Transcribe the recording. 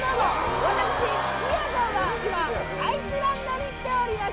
私みやぞんは今アイスランドに来ております。